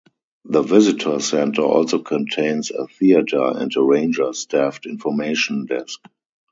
The visitor center also contains a theater and a ranger-staffed information desk.